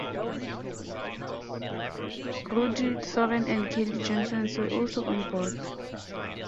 Rudy Thoren and Kelly Johnson were also on board.